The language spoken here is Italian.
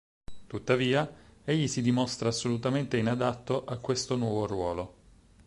Tuttavia, egli si dimostra assolutamente inadatto a questo nuovo ruolo.